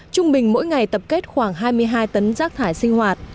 trung bình mỗi ngày tập kết khoảng hai mươi hai tấn rác thải sinh hoạt